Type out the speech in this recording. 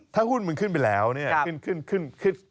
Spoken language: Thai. ถ้าหุ้นมึงขึ้นไปแล้วเนี่ยขึ้น